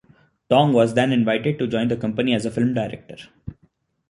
Tong was then invited to join the company as a film director.